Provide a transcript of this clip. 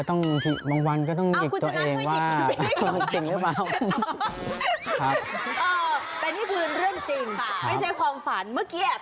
ธองภาพมูลค่า๑ล้านบาท